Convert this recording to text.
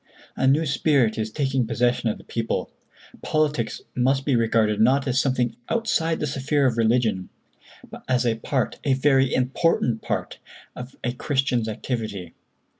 A new spirit is taking possession of the people. Politics must be regarded not as something outside the sphere of religion, but as a part—a very important part—of a Christian's activity.